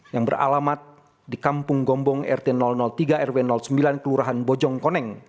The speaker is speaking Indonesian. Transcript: yang beralamat di kampung gombong rt tiga rw sembilan kelurahan bojong koneng